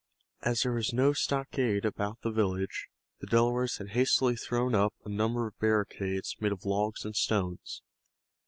As there was no stockade about the village, the Delawares had hastily thrown up a number of barricades made of logs and stones.